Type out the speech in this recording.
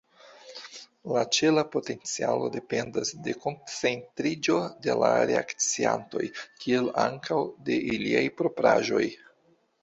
La ĉela potencialo dependas de koncentriĝo de la reakciantoj, kiel ankaŭ de iliaj propraĵoj.